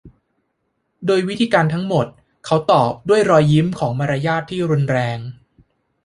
โดยวิธีการทั้งหมดเขาตอบด้วยรอยยิ้มของมารยาทที่รุนแรง